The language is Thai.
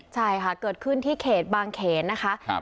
ใช่ค่ะเกิดขึ้นที่เขตบางเขนนะคะ